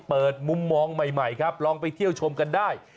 มุมมองใหม่ครับลองไปเที่ยวชมกันได้